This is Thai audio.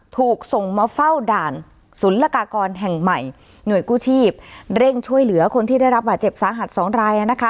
ถูกส่งมาเฝ้าด่านศูนย์ละกากรแห่งใหม่หน่วยกู้ชีพเร่งช่วยเหลือคนที่ได้รับบาดเจ็บสาหัสสองราย